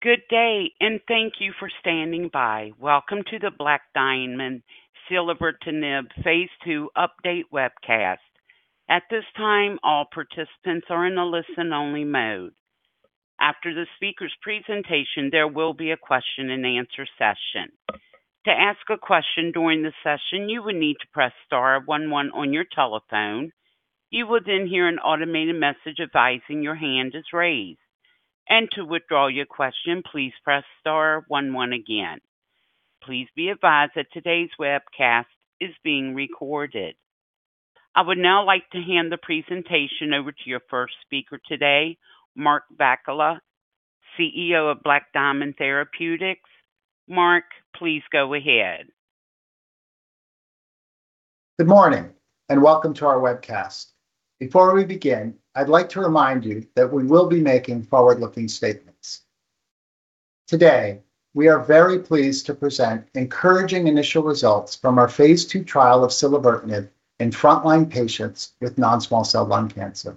Good day, and thank you for standing by. Welcome to the Black Diamond Therapeutics Phase II Update webcast. At this time, all participants are in a listen-only mode. After the speaker's presentation, there will be a question-and-answer session. To ask a question during the session, you will need to press star one one on your telephone. You will then hear an automated message advising your hand is raised, and to withdraw your question, please press star one one again. Please be advised that today's webcast is being recorded. I would now like to hand the presentation over to your first speaker today, Mark Velleca, CEO of Black Diamond Therapeutics. Mark, please go ahead. Good morning, and welcome to our webcast. Before we begin, I'd like to remind you that we will be making forward-looking statements. Today, we are very pleased to present encouraging initial results from our phase II trial of silevertinib in frontline patients with non-small cell lung cancer.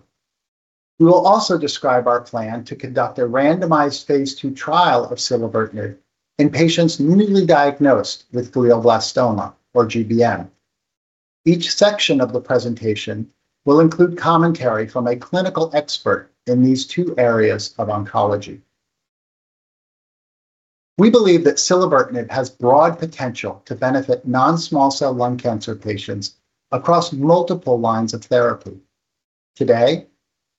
We will also describe our plan to conduct a randomized phase II trial of silevertinib in patients newly diagnosed with glioblastoma, or GBM. Each section of the presentation will include commentary from a clinical expert in these two areas of oncology. We believe that silevertinib has broad potential to benefit non-small cell lung cancer patients across multiple lines of therapy. Today,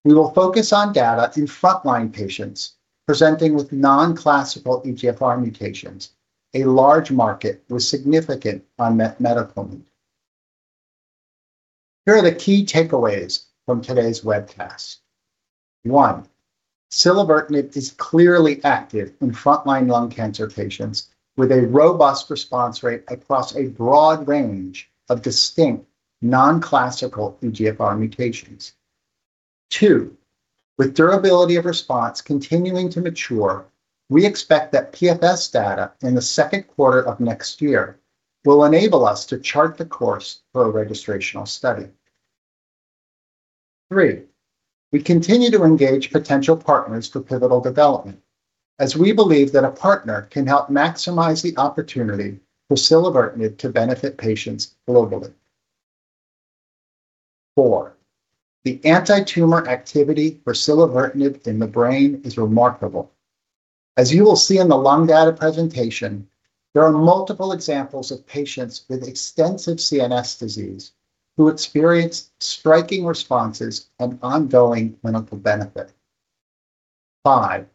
we will focus on data in frontline patients presenting with non-classical EGFR mutations, a large market with significant unmet medical need. Here are the key takeaways from today's webcast. One, silevertinib is clearly active in frontline lung cancer patients with a robust response rate across a broad range of distinct non-classical EGFR mutations. Two, with durability of response continuing to mature, we expect that PFS data in the second quarter of next year will enable us to chart the course for a registrational study. Three, we continue to engage potential partners for pivotal development, as we believe that a partner can help maximize the opportunity for silevertinib to benefit patients globally. Four, the anti-tumor activity for silevertinib in the brain is remarkable. As you will see in the lung data presentation, there are multiple examples of patients with extensive CNS disease who experience striking responses and ongoing clinical benefit. Five,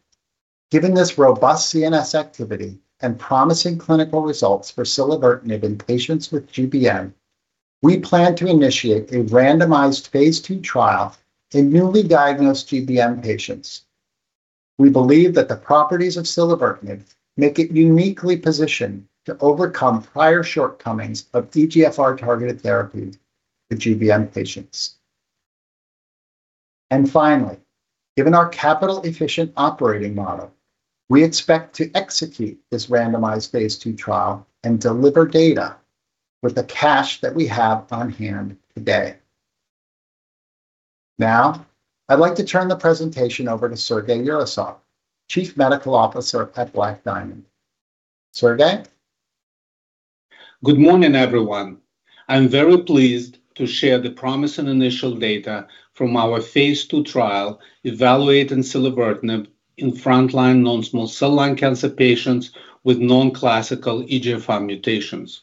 given this robust CNS activity and promising clinical results for silevertinib in patients with GBM, we plan to initiate a randomized phase II trial in newly diagnosed GBM patients. We believe that the properties of silevertinib make it uniquely positioned to overcome prior shortcomings of EGFR-targeted therapy for GBM patients. And finally, given our capital-efficient operating model, we expect to execute this randomized phase II trial and deliver data with the cash that we have on hand today. Now, I'd like to turn the presentation over to Sergey Yurasov, Chief Medical Officer at Black Diamond. Sergey? Good morning, everyone. I'm very pleased to share the promising initial data from our phase II trial evaluating silevertinib in frontline non-small cell lung cancer patients with non-classical EGFR mutations.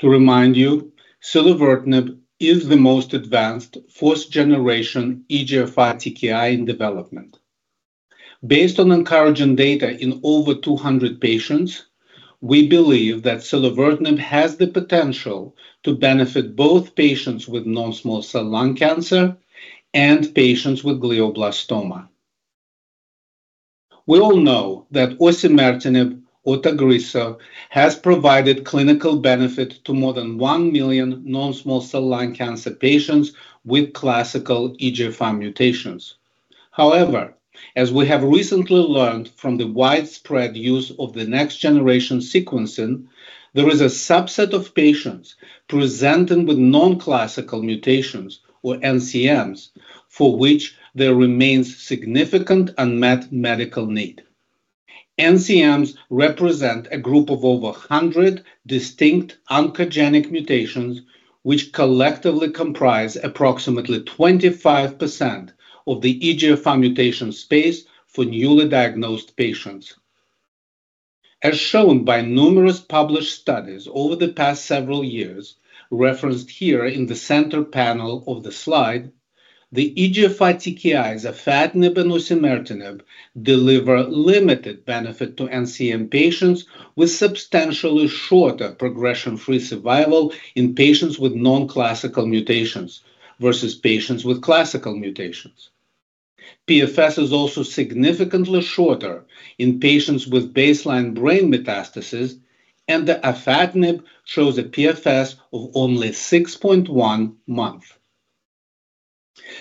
To remind you, silevertinib is the most advanced fourth-generation EGFR TKI in development. Based on encouraging data in over 200 patients, we believe that silevertinib has the potential to benefit both patients with non-small cell lung cancer and patients with glioblastoma. We all know that osimertinib/Tagrisso has provided clinical benefit to more than one million non-small cell lung cancer patients with classical EGFR mutations. However, as we have recently learned from the widespread use of the next-generation sequencing, there is a subset of patients presenting with non-classical mutations, or NCMs, for which there remains significant unmet medical need. NCMs represent a group of over 100 distinct oncogenic mutations, which collectively comprise approximately 25% of the EGFR mutation space for newly diagnosed patients. As shown by numerous published studies over the past several years, referenced here in the center panel of the slide, the EGFR TKIs of gefitinib, osimertinib deliver limited benefit to NCM patients with substantially shorter progression-free survival in patients with non-classical mutations versus patients with classical mutations. PFS is also significantly shorter in patients with baseline brain metastasis, and the afatinib shows a PFS of only 6.1 months.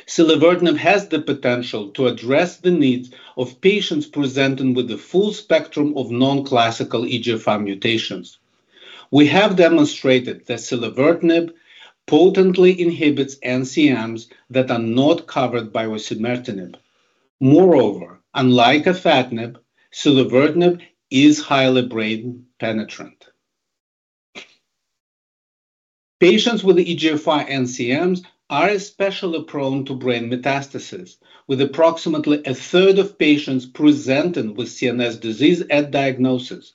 silevertinib has the potential to address the needs of patients presenting with the full spectrum of non-classical EGFR mutations. We have demonstrated that silevertinib potently inhibits NCMs that are not covered by osimertinib. Moreover, unlike afatinib, silevertinib is highly brain-penetrant. Patients with EGFR NCMs are especially prone to brain metastasis, with approximately a third of patients presenting with CNS disease at diagnosis.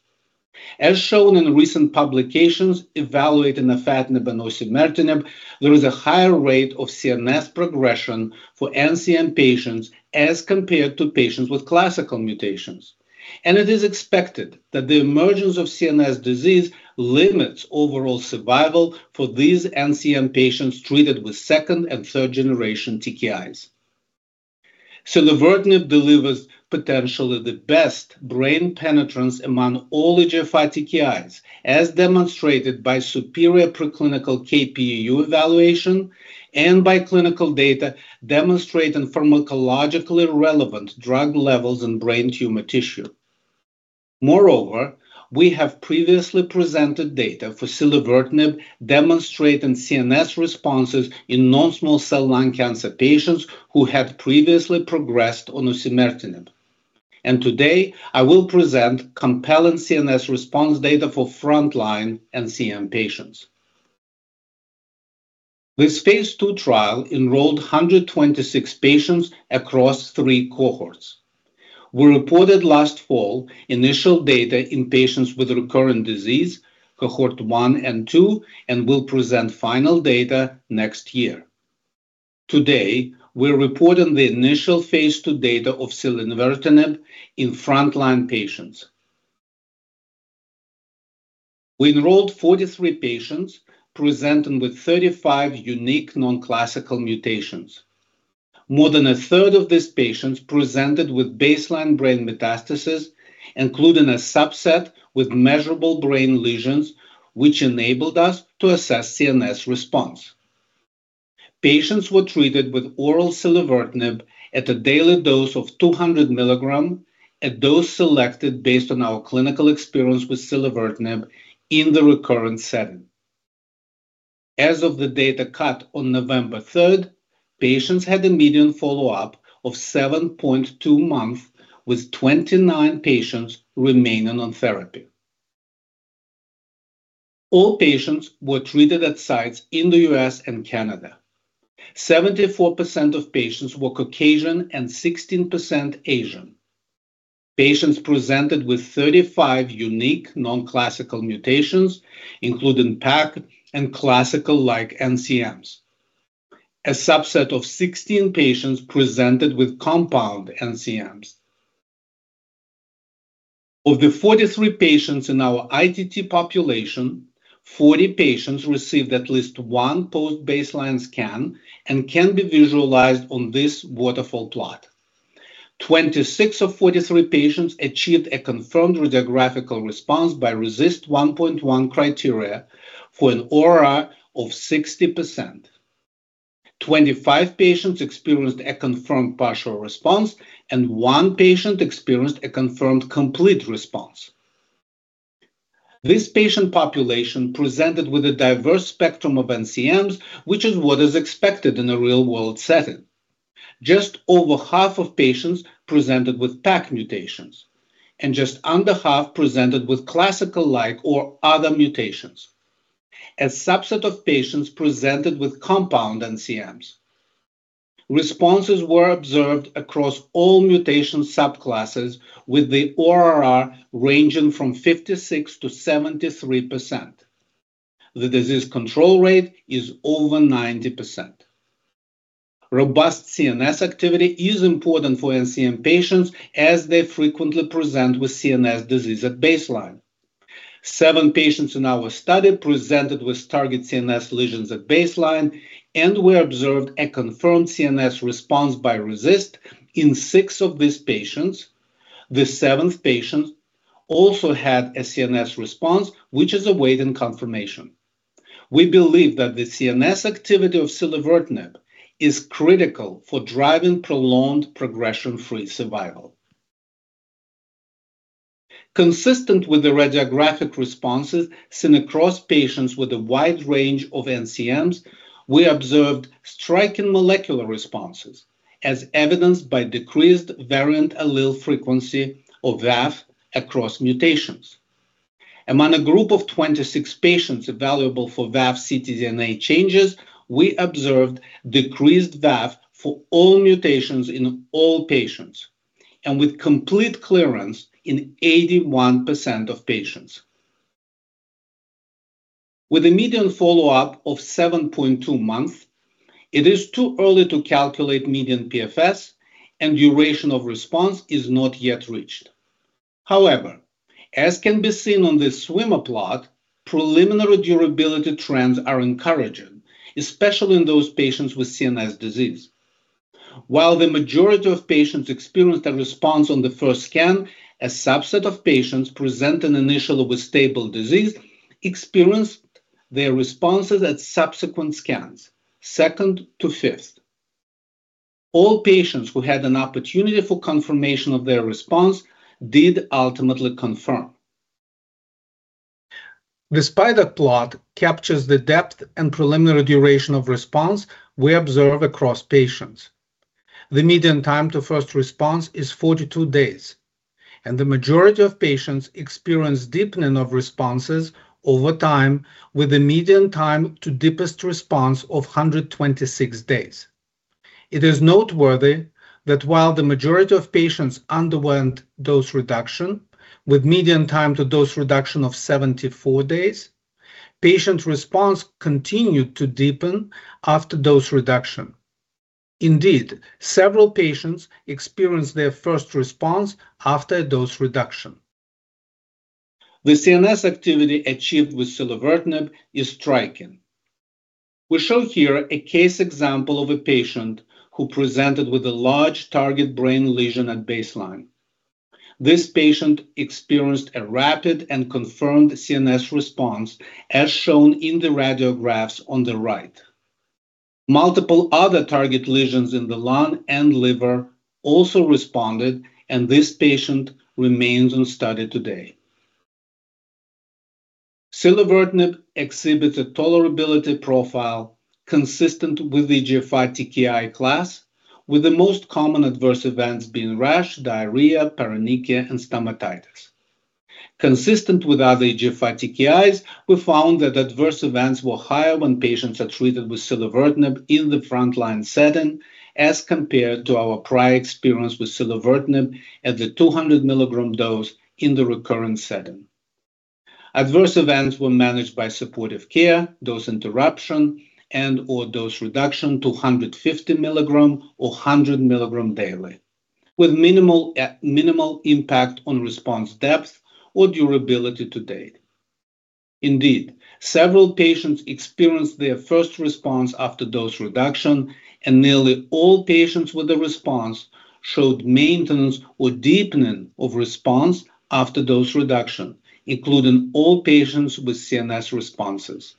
As shown in recent publications evaluating afatinib and osimertinib, there is a higher rate of CNS progression for NCM patients as compared to patients with classical mutations. And it is expected that the emergence of CNS disease limits overall survival for these NCM patients treated with second and third-generation TKIs. silevertinib delivers potentially the best brain penetrance among all EGFR TKIs, as demonstrated by superior preclinical Kp,uu evaluation and by clinical data demonstrating pharmacologically relevant drug levels in brain tumor tissue. Moreover, we have previously presented data for silevertinib demonstrating CNS responses in non-small cell lung cancer patients who had previously progressed on osimertinib. And today, I will present compelling CNS response data for frontline NCM patients. This phase II trial enrolled 126 patients across three cohorts. We reported last fall initial data in patients with recurrent disease, cohort one and two, and will present final data next year. Today, we're reporting the initial phase II data of silevertinib in frontline patients. We enrolled 43 patients presenting with 35 unique non-classical mutations. More than a third of these patients presented with baseline brain metastasis, including a subset with measurable brain lesions, which enabled us to assess CNS response. Patients were treated with oral silevertinib at a daily dose of 200 milligrams, a dose selected based on our clinical experience with silevertinib in the recurrent setting. As of the data cut on November 3rd, patients had a median follow-up of 7.2 months, with 29 patients remaining on therapy. All patients were treated at sites in the U.S. and Canada. 74% of patients were Caucasian and 16% Asian. Patients presented with 35 unique non-classical mutations, including PACC and classical-like NCMs. A subset of 16 patients presented with compound NCMs. Of the 43 patients in our ITT population, 40 patients received at least one post-baseline scan and can be visualized on this waterfall plot. 26 patients of 43 patients achieved a confirmed radiographic response by RECIST 1.1 criteria for an ORR of 60%. 25 patients experienced a confirmed partial response, and one patient experienced a confirmed complete response. This patient population presented with a diverse spectrum of NCMs, which is what is expected in a real-world setting. Just over half of patients presented with PACC mutations, and just under half presented with classical-like or other mutations. A subset of patients presented with compound NCMs. Responses were observed across all mutation subclasses, with the ORR ranging from 56%-73%. The disease control rate is over 90%. Robust CNS activity is important for NCM patients, as they frequently present with CNS disease at baseline. Seven patients in our study presented with target CNS lesions at baseline, and we observed a confirmed CNS response by RECIST in six of these patients. The seventh patient also had a CNS response, which is awaiting confirmation. We believe that the CNS activity of silevertinib is critical for driving prolonged progression-free survival. Consistent with the radiographic responses seen across patients with a wide range of NCMs, we observed striking molecular responses, as evidenced by decreased variant allele frequency of VAF across mutations. Among a group of 26 patients evaluable for VAF ctDNA changes, we observed decreased VAF for all mutations in all patients, and with complete clearance in 81% of patients. With a median follow-up of 7.2 months, it is too early to calculate median PFS, and duration of response is not yet reached. However, as can be seen on this swimmer plot, preliminary durability trends are encouraging, especially in those patients with CNS disease. While the majority of patients experienced a response on the first scan, a subset of patients presenting initially with stable disease experienced their responses at subsequent scans, second to fifth. All patients who had an opportunity for confirmation of their response did ultimately confirm. This waterfall plot captures the depth and preliminary duration of response we observe across patients. The median time to first response is 42 days, and the majority of patients experience deepening of responses over time, with a median time to deepest response of 126 days. It is noteworthy that while the majority of patients underwent dose reduction, with median time to dose reduction of 74 days, patient response continued to deepen after dose reduction. Indeed, several patients experienced their first response after a dose reduction. The CNS activity achieved with silevertinib is striking. We show here a case example of a patient who presented with a large target brain lesion at baseline. This patient experienced a rapid and confirmed CNS response, as shown in the radiographs on the right. Multiple other target lesions in the lung and liver also responded, and this patient remains on study today. silevertinib exhibits a tolerability profile consistent with the EGFR TKI class, with the most common adverse events being rash, diarrhea, paronychia, and stomatitis. Consistent with other EGFR TKIs, we found that adverse events were higher when patients are treated with silevertinib in the frontline setting, as compared to our prior experience with silevertinib at the 200 milligram dose in the recurrent setting. Adverse events were managed by supportive care, dose interruption, and/or dose reduction to 150 milligram or 100 milligram daily, with minimal impact on response depth or durability to date. Indeed, several patients experienced their first response after dose reduction, and nearly all patients with a response showed maintenance or deepening of response after dose reduction, including all patients with CNS responses.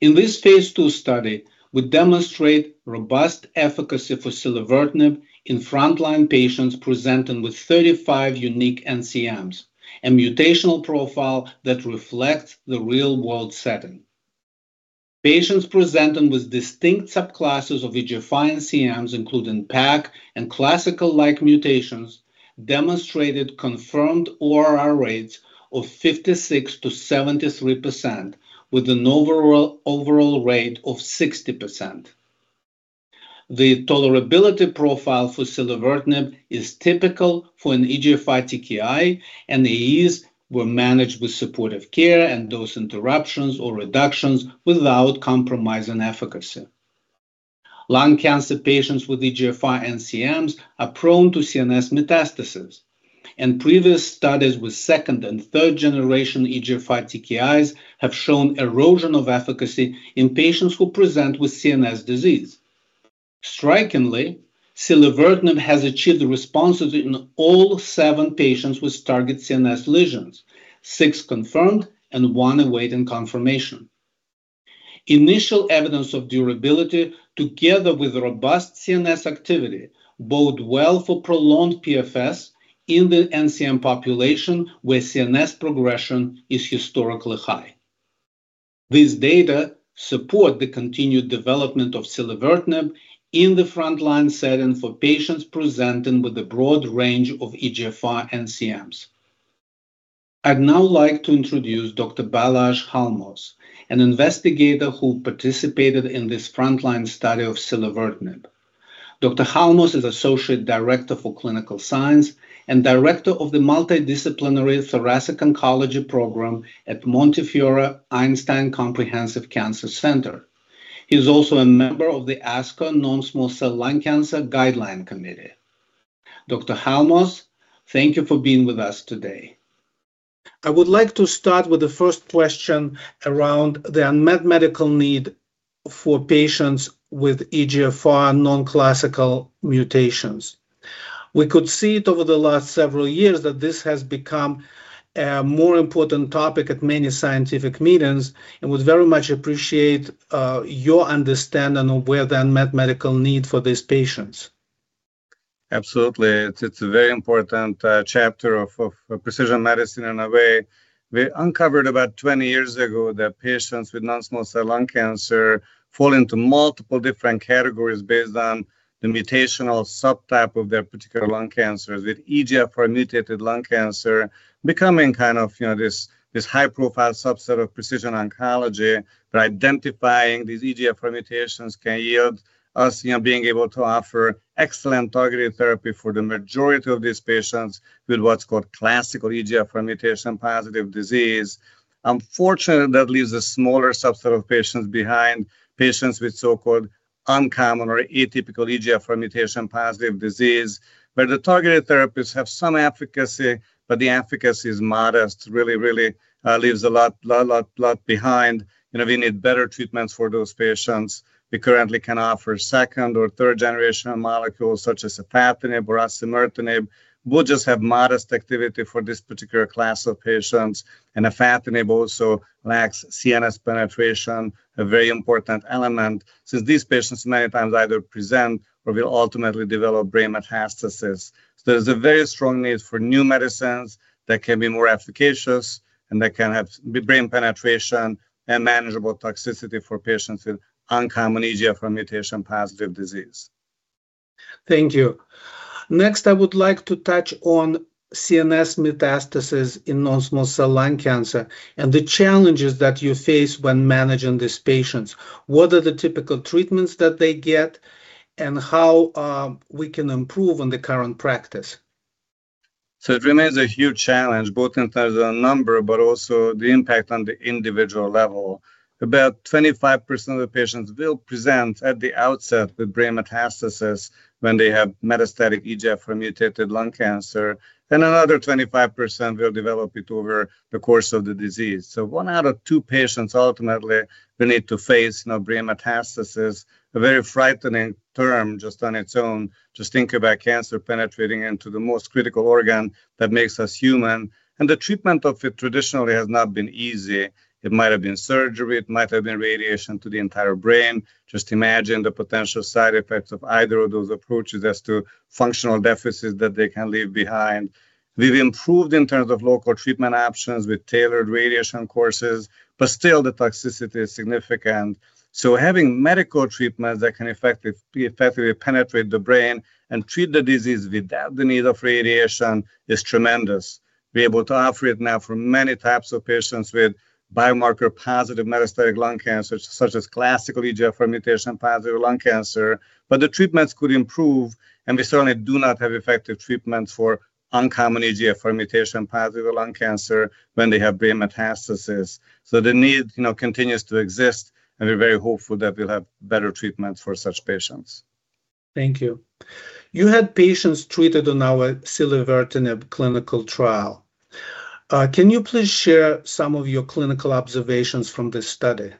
In this phase II study, we demonstrate robust efficacy for silevertinib in frontline patients presenting with 35 unique NCMs, a mutational profile that reflects the real-world setting. Patients presenting with distinct subclasses of EGFR NCMs, including PAC and classical-like mutations, demonstrated confirmed ORR rates of 56%-73%, with an overall rate of 60%. The tolerability profile for silevertinib is typical for an EGFR TKI, and these were managed with supportive care and dose interruptions or reductions without compromising efficacy. Lung cancer patients with EGFR NCMs are prone to CNS metastasis, and previous studies with second- and third-generation EGFR TKIs have shown erosion of efficacy in patients who present with CNS disease. Strikingly, silevertinib has achieved responses in all seven patients with target CNS lesions, six confirmed and one awaiting confirmation. Initial evidence of durability, together with robust CNS activity, bode well for prolonged PFS in the NCM population, where CNS progression is historically high. These data support the continued development of silevertinib in the frontline setting for patients presenting with a broad range of EGFR NCMs. I'd now like to introduce Dr. Balazs Halmos, an investigator who participated in this frontline study of silevertinib. Dr. Halmos is Associate Director for Clinical Science and Director of the Multidisciplinary Thoracic Oncology Program at Montefiore Einstein Comprehensive Cancer Center. He's also a member of the ASCO Non-Small Cell Lung Cancer Guideline Committee. Dr. Halmos, thank you for being with us today. I would like to start with the first question around the unmet medical need for patients with EGFR non-classical mutations. We could see it over the last several years that this has become a more important topic at many scientific meetings, and we'd very much appreciate your understanding of where the unmet medical need for these patients. Absolutely. It's a very important chapter of precision medicine in a way. We uncovered about 20 years ago that patients with non-small cell lung cancer fall into multiple different categories based on the mutational subtype of their particular lung cancers, with EGFR-mutated lung cancer becoming kind of, you know, this high-profile subset of precision oncology. But identifying these EGFR mutations can yield us, you know, being able to offer excellent targeted therapy for the majority of these patients with what's called classical EGFR-mutation positive disease. Unfortunately, that leaves a smaller subset of patients behind, patients with so-called uncommon or atypical EGFR-mutation positive disease, where the targeted therapies have some efficacy, but the efficacy is modest. Really, really leaves a lot, a lot, lot behind. You know, we need better treatments for those patients. We currently can offer second or third-generation molecules such as afatinib or osimertinib. We'll just have modest activity for this particular class of patients, and afatinib also lacks CNS penetration, a very important element, since these patients many times either present or will ultimately develop brain metastasis. So there's a very strong need for new medicines that can be more efficacious and that can have brain penetration and manageable toxicity for patients with uncommon EGFR-mutation positive disease. Thank you. Next, I would like to touch on CNS metastasis in non-small cell lung cancer and the challenges that you face when managing these patients. What are the typical treatments that they get, and how we can improve on the current practice? So it remains a huge challenge, both in terms of the number, but also the impact on the individual level. About 25% of the patients will present at the outset with brain metastasis when they have metastatic EGFR-mutated lung cancer, and another 25% will develop it over the course of the disease. So one out of two patients ultimately will need to face, you know, brain metastasis, a very frightening term just on its own. Just think about cancer penetrating into the most critical organ that makes us human, and the treatment of it traditionally has not been easy. It might have been surgery, it might have been radiation to the entire brain. Just imagine the potential side effects of either of those approaches as to functional deficits that they can leave behind. We've improved in terms of local treatment options with tailored radiation courses, but still the toxicity is significant. So having medical treatments that can effectively penetrate the brain and treat the disease without the need of radiation is tremendous. We're able to offer it now for many types of patients with biomarker-positive metastatic lung cancer, such as classical EGFR-mutation positive lung cancer. But the treatments could improve, and we certainly do not have effective treatments for uncommon EGFR-mutation positive lung cancer when they have brain metastasis. So the need, you know, continues to exist, and we're very hopeful that we'll have better treatments for such patients. Thank you. You had patients treated on our silevertinib clinical trial. Can you please share some of your clinical observations from this study?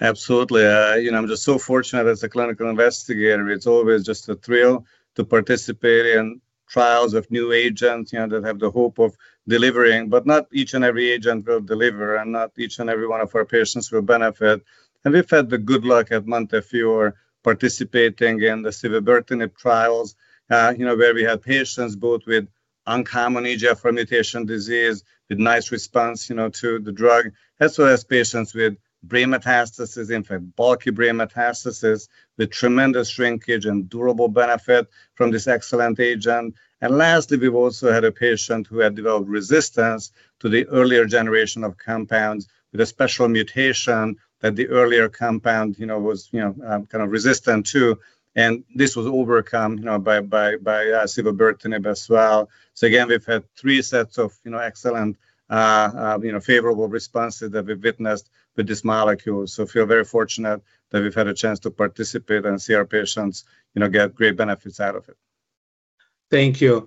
Absolutely. You know, I'm just so fortunate as a clinical investigator. It's always just a thrill to participate in trials with new agents, you know, that have the hope of delivering, but not each and every agent will deliver, and not each and every one of our patients will benefit. And we've had the good luck at Montefiore participating in the silevertinib trials, you know, where we had patients both with uncommon EGFR mutation disease with nice response, you know, to the drug, as well as patients with brain metastasis, in fact, bulky brain metastasis with tremendous shrinkage and durable benefit from this excellent agent. And lastly, we've also had a patient who had developed resistance to the earlier generation of compounds with a special mutation that the earlier compound, you know, was, you know, kind of resistant to, and this was overcome, you know, by silevertinib as well. So again, we've had three sets of, you know, excellent, you know, favorable responses that we've witnessed with this molecule. So feel very fortunate that we've had a chance to participate and see our patients, you know, get great benefits out of it. Thank you.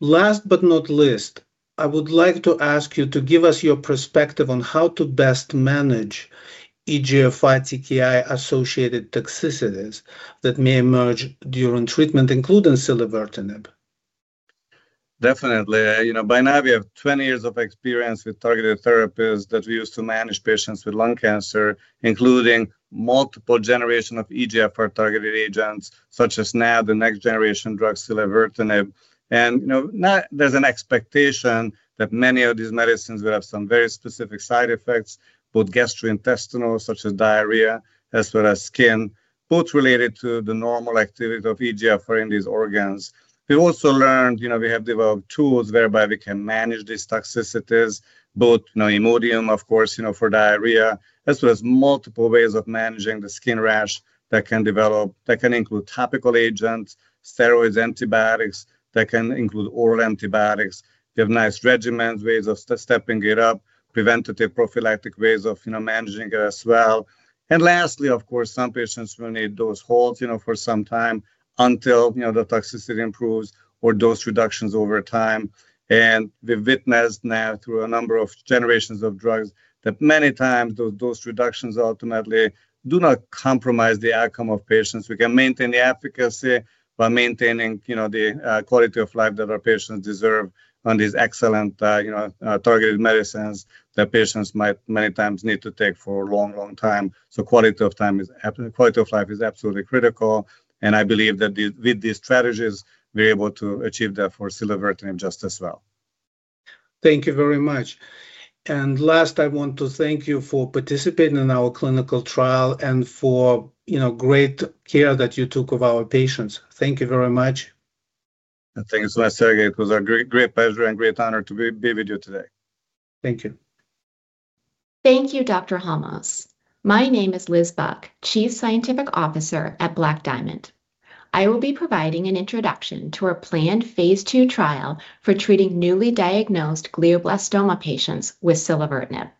Last but not least, I would like to ask you to give us your perspective on how to best manage EGFR TKI-associated toxicities that may emerge during treatment, including silevertinib. Definitely. You know, by now we have 20 years of experience with targeted therapies that we use to manage patients with lung cancer, including multiple generations of EGFR targeted agents such as NAB, the next generation drug silevertinib. You know, there's an expectation that many of these medicines will have some very specific side effects, both gastrointestinal, such as diarrhea, as well as skin, both related to the normal activity of EGFR in these organs. We've also learned, you know, we have developed tools whereby we can manage these toxicities, both, you know, Imodium, of course, you know, for diarrhea, as well as multiple ways of managing the skin rash that can develop, that can include topical agents, steroids, antibiotics that can include oral antibiotics. We have nice regimens, ways of stepping it up, preventative prophylactic ways of, you know, managing it as well. Lastly, of course, some patients will need those holds, you know, for some time until, you know, the toxicity improves or dose reductions over time. We've witnessed now through a number of generations of drugs that many times those dose reductions ultimately do not compromise the outcome of patients. We can maintain the efficacy by maintaining, you know, the quality of life that our patients deserve on these excellent, you know, targeted medicines that patients might many times need to take for a long, long time. So quality of time is, quality of life is absolutely critical, and I believe that with these strategies, we're able to achieve that for silevertinib just as well. Thank you very much. Last, I want to thank you for participating in our clinical trial and for, you know, great care that you took of our patients. Thank you very much. And thank you so much, Sergey. It was a great, great pleasure and great honor to be with you today. Thank you. Thank you, Dr. Halmos.My name is Elizabeth Buck, Chief Scientific Officer at Black Diamond. I will be providing an introduction to our planned phase II trial for treating newly diagnosed glioblastoma patients with silevertinib.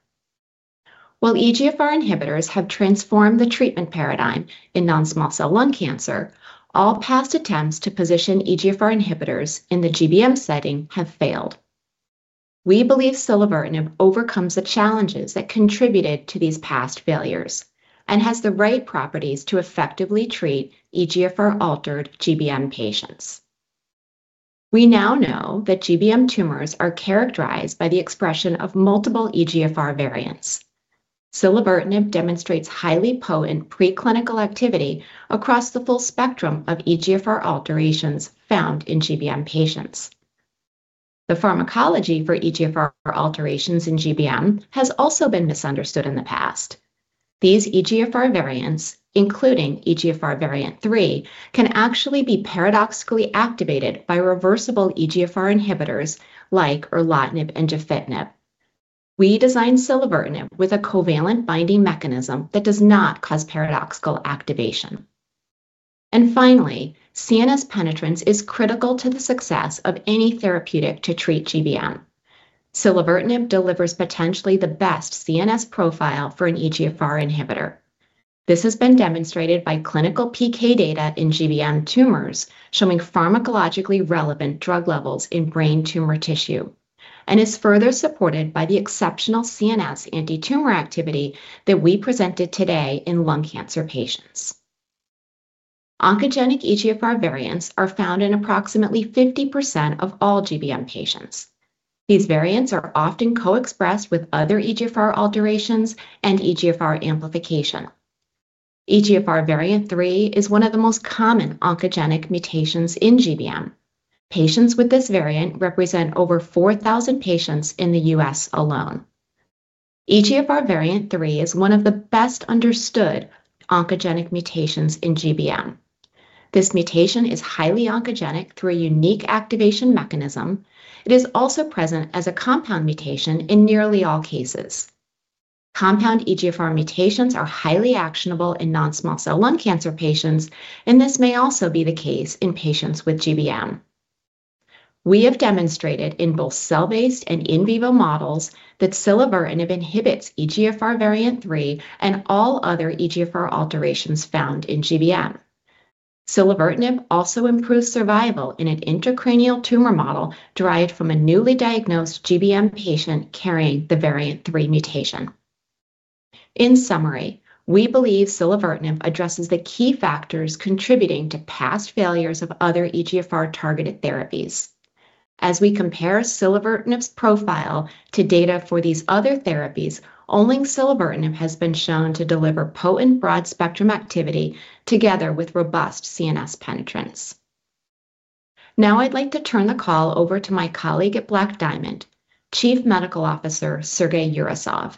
While EGFR inhibitors have transformed the treatment paradigm in non-small cell lung cancer, all past attempts to position EGFR inhibitors in the GBM setting have failed. We believe silevertinib overcomes the challenges that contributed to these past failures and has the right properties to effectively treat EGFR-altered GBM patients. We now know that GBM tumors are characterized by the expression of multiple EGFR variants. silevertinib demonstrates highly potent preclinical activity across the full spectrum of EGFR alterations found in GBM patients. The pharmacology for EGFR alterations in GBM has also been misunderstood in the past. These EGFR variants, including EGFR variant 3, can actually be paradoxically activated by reversible EGFR inhibitors like Erlotinib and Afatinib. We designed silevertinib with a covalent binding mechanism that does not cause paradoxical activation, and finally, CNS penetrance is critical to the success of any therapeutic to treat GBM. silevertinib delivers potentially the best CNS profile for an EGFR inhibitor. This has been demonstrated by clinical PK data in GBM tumors showing pharmacologically relevant drug levels in brain tumor tissue, and is further supported by the exceptional CNS anti-tumor activity that we presented today in lung cancer patients. Oncogenic EGFR variants are found in approximately 50% of all GBM patients. These variants are often co-expressed with other EGFR alterations and EGFR amplification. EGFR variant 3 is one of the most common oncogenic mutations in GBM. Patients with this variant represent over 4,000 patients in the U.S. alone. EGFR variant 3 is one of the best understood oncogenic mutations in GBM. This mutation is highly oncogenic through a unique activation mechanism. It is also present as a compound mutation in nearly all cases. Compound EGFR mutations are highly actionable in non-small cell lung cancer patients, and this may also be the case in patients with GBM. We have demonstrated in both cell-based and in vivo models that silevertinib inhibits EGFR variant 3 and all other EGFR alterations found in GBM. silevertinib also improves survival in an intracranial tumor model derived from a newly diagnosed GBM patient carrying the variant 3 mutation. In summary, we believe silevertinib addresses the key factors contributing to past failures of other EGFR-targeted therapies. As we compare silevertinib's profile to data for these other therapies, only silevertinib has been shown to deliver potent broad-spectrum activity together with robust CNS penetrance. Now I'd like to turn the call over to my colleague at Black Diamond, Chief Medical Officer Sergey Yurasov.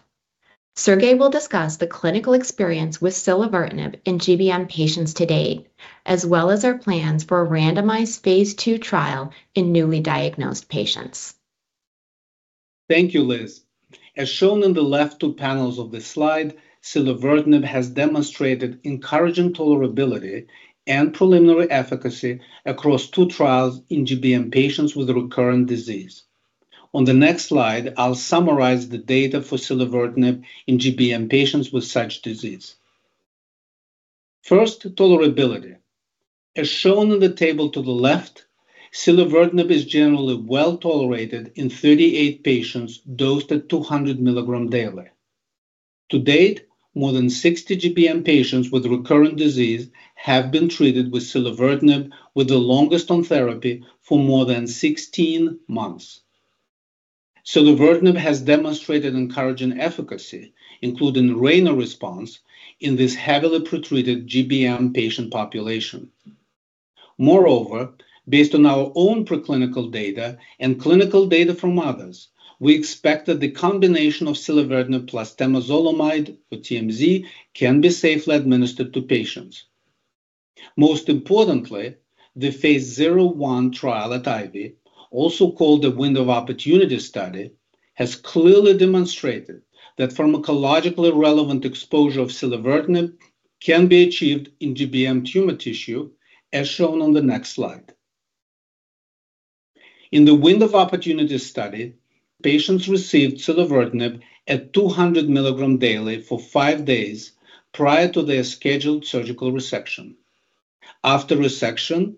Sergey will discuss the clinical experience with silevertinib in GBM patients to date, as well as our plans for a randomized phase II trial in newly diagnosed patients. Thank you, Liz. As shown in the left two panels of this slide, silevertinib has demonstrated encouraging tolerability and preliminary efficacy across two trials in GBM patients with recurrent disease. On the next slide, I'll summarize the data for silevertinib in GBM patients with such disease. First, tolerability. As shown in the table to the left, silevertinib is generally well tolerated in 38 patients dosed at 200 milligrams daily. To date, more than 60 GBM patients with recurrent disease have been treated with silevertinib, with the longest on therapy for more than 16 months. silevertinib has demonstrated encouraging efficacy, including a range of responses in this heavily pretreated GBM patient population. Moreover, based on our own preclinical data and clinical data from others, we expect that the combination of silevertinib plus temozolomide or TMZ can be safely administered to patients. Most importantly, the phase 0/I trial, also called the window of opportunity study, has clearly demonstrated that pharmacologically relevant exposure of silevertinib can be achieved in GBM tumor tissue, as shown on the next slide. In the window of opportunity study, patients received silevertinib at 200 milligrams daily for five days prior to their scheduled surgical resection. After resection,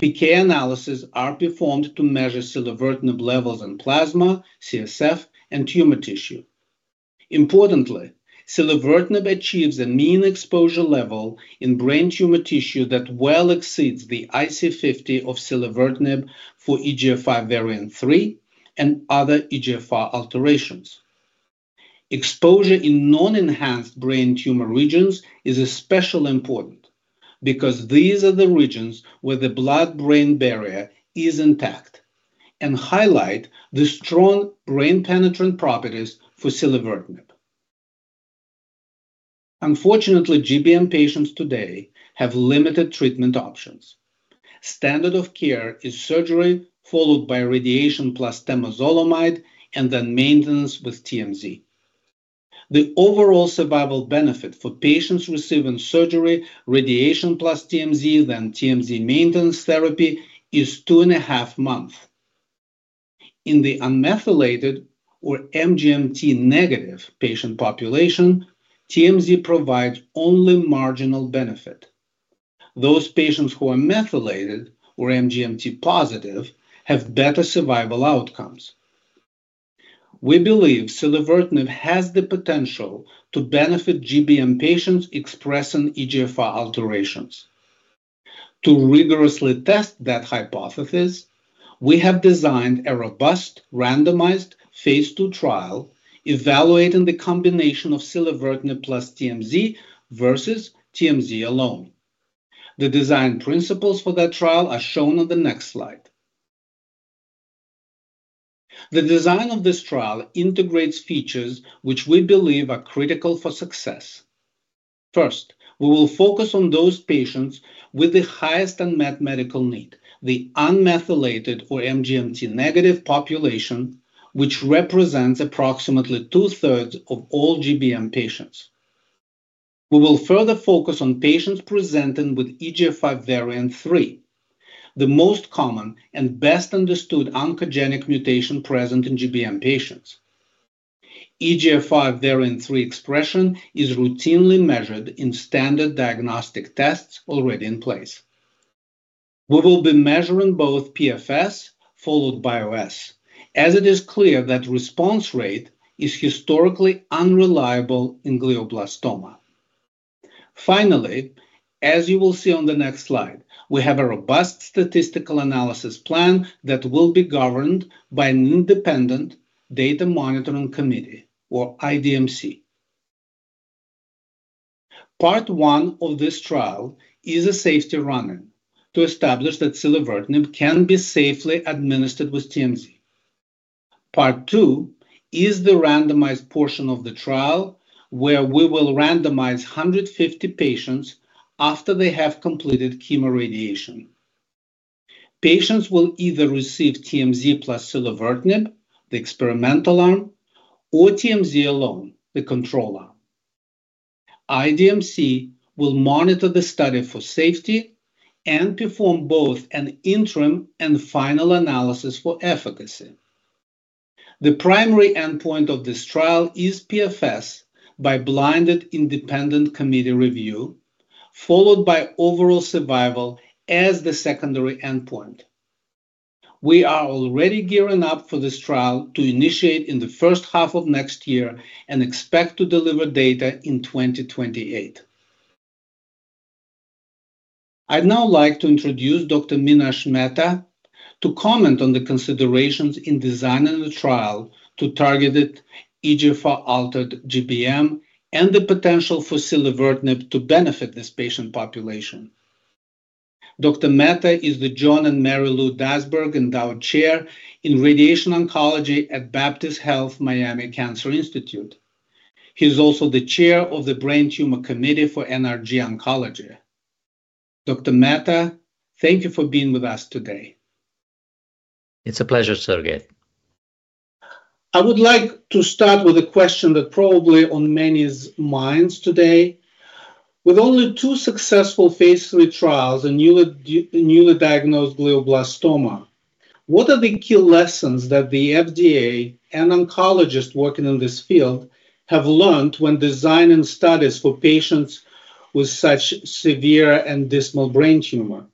PK analyses are performed to measure silevertinib levels in plasma, CSF, and tumor tissue. Importantly, silevertinib achieves a mean exposure level in brain tumor tissue that well exceeds the IC50 of silevertinib for EGFR variant 3 and other EGFR alterations. Exposure in non-enhanced brain tumor regions is especially important because these are the regions where the blood-brain barrier is intact and highlight the strong brain penetrant properties for silevertinib. Unfortunately, GBM patients today have limited treatment options. Standard of care is surgery followed by radiation plus Temozolomide and then maintenance with TMZ. The overall survival benefit for patients receiving surgery, radiation plus TMZ, then TMZ maintenance therapy is two and a half months. In the unmethylated or MGMT negative patient population, TMZ provides only marginal benefit. Those patients who are methylated or MGMT positive have better survival outcomes. We believe silevertinib has the potential to benefit GBM patients expressing EGFR alterations. To rigorously test that hypothesis, we have designed a robust randomized phase II trial evaluating the combination of silevertinib plus TMZ versus TMZ alone. The design principles for that trial are shown on the next slide. The design of this trial integrates features which we believe are critical for success. First, we will focus on those patients with the highest unmet medical need, the unmethylated or MGMT negative population, which represents approximately two-thirds of all GBM patients. We will further focus on patients presenting with EGFR variant 3, the most common and best understood oncogenic mutation present in GBM patients. EGFR variant 3 expression is routinely measured in standard diagnostic tests already in place. We will be measuring both PFS followed by OS, as it is clear that response rate is historically unreliable in glioblastoma. Finally, as you will see on the next slide, we have a robust statistical analysis plan that will be governed by an Independent Data Monitoring Committee, or IDMC. Part one of this trial is a safety run-in to establish that silevertinib can be safely administered with TMZ. Part two is the randomized portion of the trial where we will randomize 150 patients after they have completed chemoradiation. Patients will either receive TMZ plus silevertinib, the experimental arm, or TMZ alone, the control arm. IDMC will monitor the study for safety and perform both an interim and final analysis for efficacy. The primary endpoint of this trial is PFS by blinded independent committee review, followed by overall survival as the secondary endpoint. We are already gearing up for this trial to initiate in the first half of next year and expect to deliver data in 2028. I'd now like to introduce Dr. Minesh Mehta to comment on the considerations in designing the trial to targeted EGFR-altered GBM and the potential for silevertinib to benefit this patient population. Dr. Mehta is the John and Mary Lou Dasburg Endowed Chair in Radiation Oncology at Baptist Health Miami Cancer Institute. He's also the chair of the Brain Tumor Committee for NRG Oncology. Dr. Mehta, thank you for being with us today. It's a pleasure, Sergey. I would like to start with a question that probably on many's minds today. With only two successful phase III trials in newly diagnosed glioblastoma, what are the key lessons that the FDA and oncologists working in this field have learned when designing studies for patients with such severe and dismal brain tumor?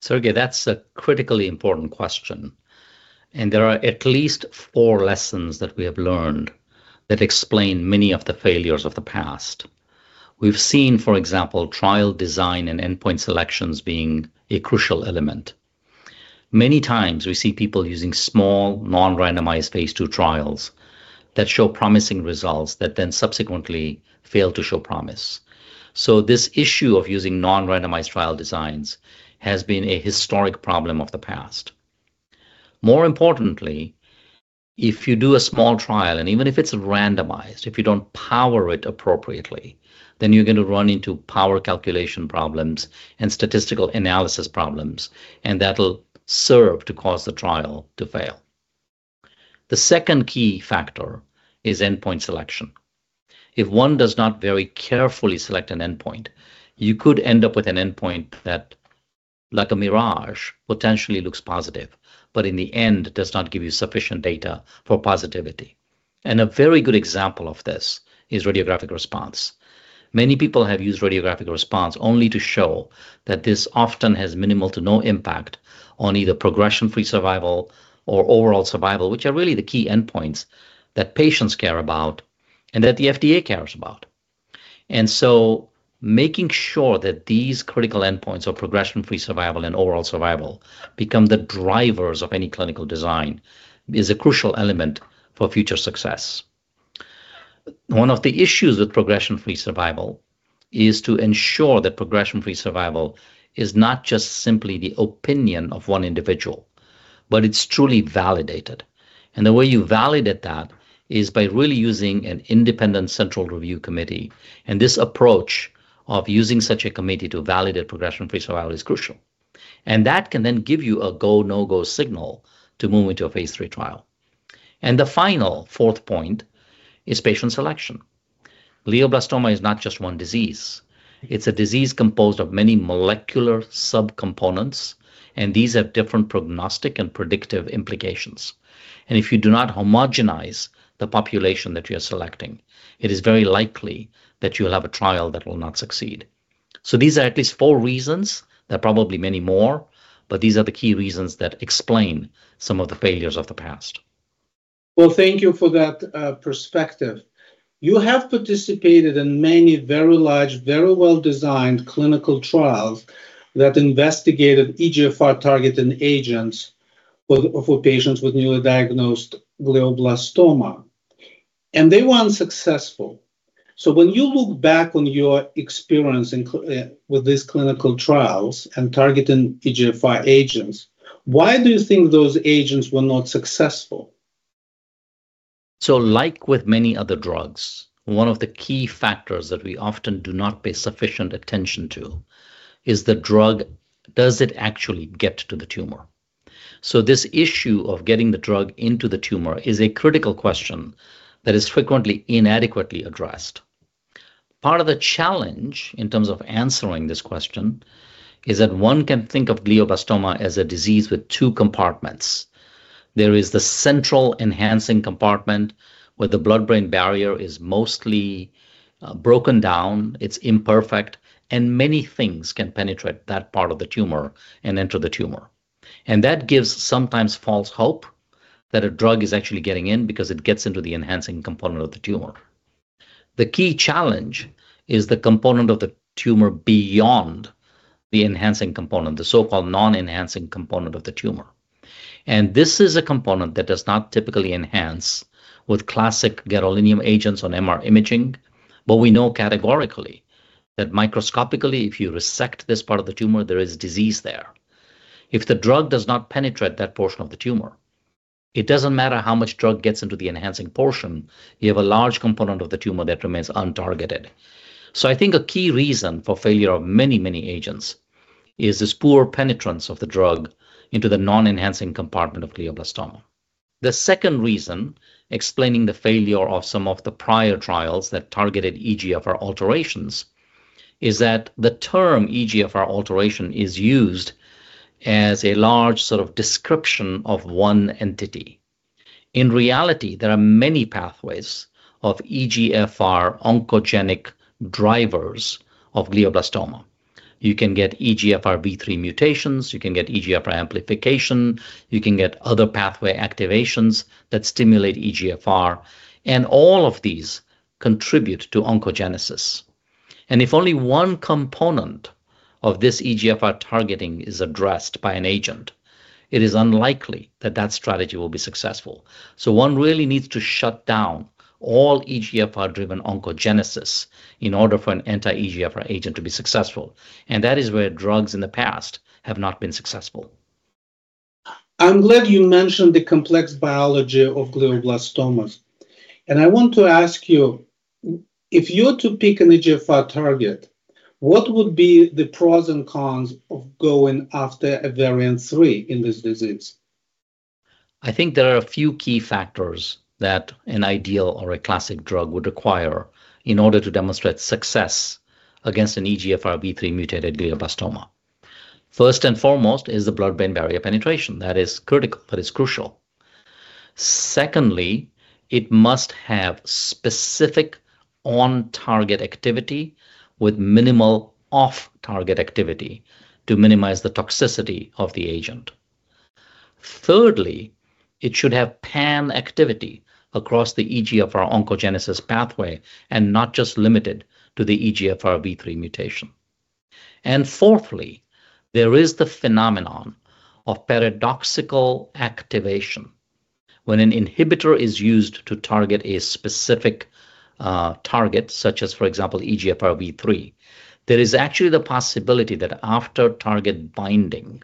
Sergey, that's a critically important question, and there are at least four lessons that we have learned that explain many of the failures of the past. We've seen, for example, trial design and endpoint selections being a crucial element. Many times we see people using small, non-randomized phase II trials that show promising results that then subsequently fail to show promise. So this issue of using non-randomized trial designs has been a historic problem of the past. More importantly, if you do a small trial, and even if it's randomized, if you don't power it appropriately, then you're going to run into power calculation problems and statistical analysis problems, and that'll serve to cause the trial to fail. The second key factor is endpoint selection. If one does not very carefully select an endpoint, you could end up with an endpoint that, like a mirage, potentially looks positive, but in the end does not give you sufficient data for positivity. And a very good example of this is radiographic response. Many people have used radiographic response only to show that this often has minimal to no impact on either progression-free survival or overall survival, which are really the key endpoints that patients care about and that the FDA cares about. Making sure that these critical endpoints of progression-free survival and overall survival become the drivers of any clinical design is a crucial element for future success. One of the issues with progression-free survival is to ensure that progression-free survival is not just simply the opinion of one individual, but it's truly validated. The way you validate that is by really using an independent central review committee, and this approach of using such a committee to validate progression-free survival is crucial. That can then give you a go-no-go signal to move into a phase III trial. The final fourth point is patient selection. Glioblastoma is not just one disease. It's a disease composed of many molecular subcomponents, and these have different prognostic and predictive implications. And if you do not homogenize the population that you're selecting, it is very likely that you'll have a trial that will not succeed. So these are at least four reasons. There are probably many more, but these are the key reasons that explain some of the failures of the past. Well, thank you for that perspective. You have participated in many very large, very well-designed clinical trials that investigated EGFR-targeted agents for patients with newly diagnosed glioblastoma, and they were unsuccessful. So when you look back on your experience with these clinical trials and targeting EGFR agents, why do you think those agents were not successful? So like with many other drugs, one of the key factors that we often do not pay sufficient attention to is the drug, does it actually get to the tumor? This issue of getting the drug into the tumor is a critical question that is frequently inadequately addressed. Part of the challenge in terms of answering this question is that one can think of glioblastoma as a disease with two compartments. There is the central enhancing compartment where the blood-brain barrier is mostly broken down, it's imperfect, and many things can penetrate that part of the tumor and enter the tumor. That gives sometimes false hope that a drug is actually getting in because it gets into the enhancing component of the tumor. The key challenge is the component of the tumor beyond the enhancing component, the so-called non-enhancing component of the tumor. This is a component that does not typically enhance with classic gadolinium agents on MR imaging, but we know categorically that microscopically, if you resect this part of the tumor, there is disease there. If the drug does not penetrate that portion of the tumor, it doesn't matter how much drug gets into the enhancing portion, you have a large component of the tumor that remains untargeted. So I think a key reason for failure of many, many agents is this poor penetrance of the drug into the non-enhancing compartment of glioblastoma. The second reason explaining the failure of some of the prior trials that targeted EGFR alterations is that the term EGFR alteration is used as a large sort of description of one entity. In reality, there are many pathways of EGFR oncogenic drivers of glioblastoma. You can get EGFRvIII mutations, you can get EGFR amplification, you can get other pathway activations that stimulate EGFR, and all of these contribute to oncogenesis. If only one component of this EGFR targeting is addressed by an agent, it is unlikely that that strategy will be successful. One really needs to shut down all EGFR-driven oncogenesis in order for an anti-EGFR agent to be successful, and that is where drugs in the past have not been successful. I'm glad you mentioned the complex biology of glioblastomas, and I want to ask you, if you were to pick an EGFR target, what would be the pros and cons of going after a variant 3 in this disease? I think there are a few key factors that an ideal or a classic drug would require in order to demonstrate success against an EGFRvIII mutated glioblastoma. First and foremost is the blood-brain barrier penetration that is critical, that is crucial. Secondly, it must have specific on-target activity with minimal off-target activity to minimize the toxicity of the agent. Thirdly, it should have pan-activity across the EGFR oncogenesis pathway and not just limited to the EGFRvIII mutation. And fourthly, there is the phenomenon of paradoxical activation. When an inhibitor is used to target a specific target, such as, for example, EGFRvIII, there is actually the possibility that after target binding,